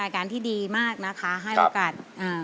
ทุกคนนี้ก็ส่งเสียงเชียร์ทางบ้านก็เชียร์ทางบ้านก็เชียร์